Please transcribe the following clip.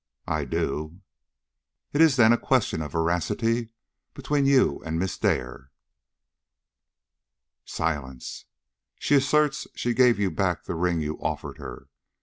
"I do." "It is, then, a question of veracity between you and Miss Dare?" Silence. "She asserts she gave you back the ring you offered her.